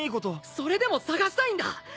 それでも探したいんだ！